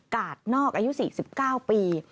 กาดนอกอายุ๔๙ปี